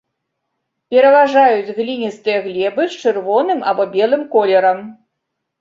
Пераважаюць гліністыя глебы з чырвоным або белым колерам.